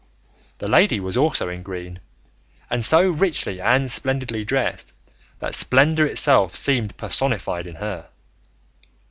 The lady was also in green, and so richly and splendidly dressed that splendour itself seemed personified in her.